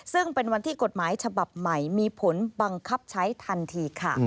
ซึ่งเป็นวันที่กฎหมายฉบับใหม่มีผลบังคับใช้ทันทีค่ะ